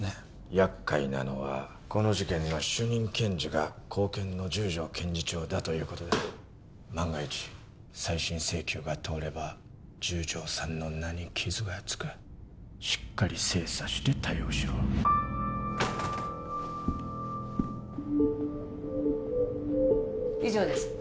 やっかいなのはこの事件の主任検事が高検の十条検事長だということだ万が一再審請求が通れば十条さんの名に傷がつくしっかり精査して対応しろ以上です